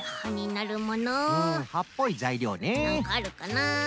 なんかあるかな。